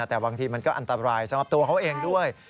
แต่บางทีมันก็อันตรายสำหรับตัวเขาเองด้วย